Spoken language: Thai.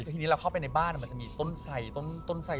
แต่ทีนี้เราเข้าไปในบ้านมันจะมีต้นไสต้นไส